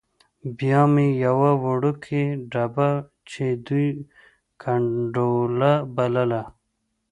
بیا مې یوه وړوکې ډبه چې دوی ګنډولا بلله.